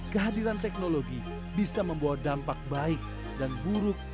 kehadiran teknologi bisa membawa dampak baik dan buruk